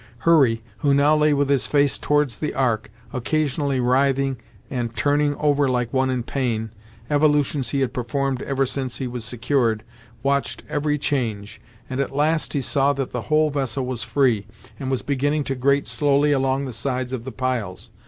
Hurry, who now lay with his face towards the Ark, occasionally writhing and turning over like one in pain, evolutions he had performed ever since he was secured, watched every change, and, at last, he saw that the whole vessel was free, and was beginning to grate slowly along the sides of the piles.